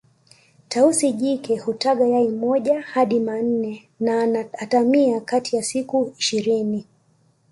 Tausi jike hutaga yai moja hadi manne na ana atamia kati ya siku ishirini